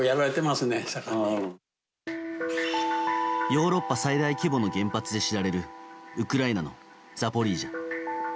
ヨーロッパ最大規模の原発で知られるウクライナのザポリージャ。